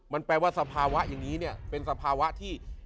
มันแปลว่าสภาวะอย่างนี้เนี่ยเป็นสภาวะที่